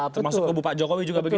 termasuk kebupak jokowi juga begitu